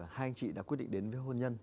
hai anh chị đã quyết định đến với hôn nhân